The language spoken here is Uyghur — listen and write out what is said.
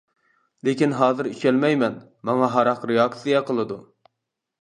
لېكىن ھازىر ئىچەلمەيمەن، ماڭا ھاراق رېئاكسىيە قىلىدۇ.